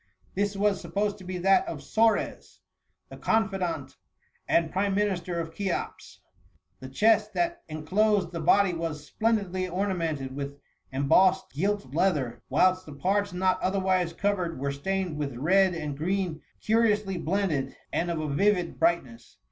This was sup posed to be that of Sores, the confidant and prime minister of Cheops. The chest that enclosed the body was splendidly ornamented with embossed gilt leather, whilst the parts not otherwise covered were stained with red and green curiously blended, and of a vivid brightness.